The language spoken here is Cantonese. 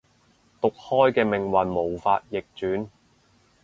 毒開嘅命運無法逆轉